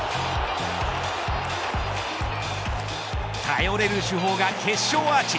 頼れる主砲が決勝アーチ。